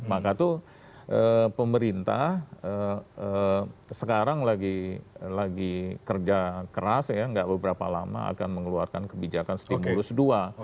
maka tuh pemerintah sekarang lagi kerja keras ya nggak beberapa lama akan mengeluarkan kebijakan stimulus dua